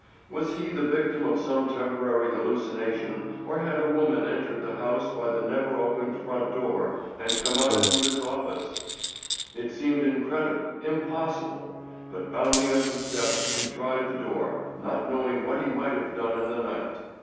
Was he the victim of some temporary hallucination, or had a woman entered the house by the never opened front door and come out through his office? It seemed incredible, impossible, but bounding up the steps he tried the door, not knowing what he might have done in the night.